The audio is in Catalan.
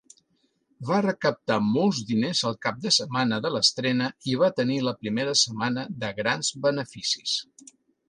Va recaptar molts diners el cap de setmana de l'estrena i va tenir la primera setmana de grans beneficis.